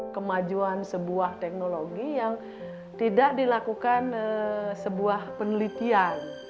kemajuan sebuah teknologi yang tidak dilakukan sebuah penelitian